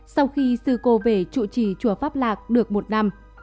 sau khi sư cô về trụ trì chùa pháp lạc được một năm